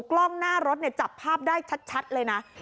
กล้องหน้ารถจับภาพได้ชัดเลยนะ